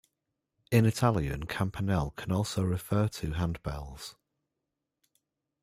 In Italian, "campanelle" can also refer to "handbells.